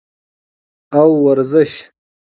او ورزش